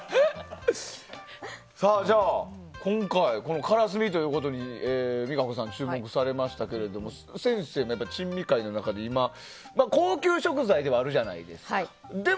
じゃあ、今回からすみということに実可子さん、注目されましたが先生、珍味界の中で高級食材ではあるじゃないですか。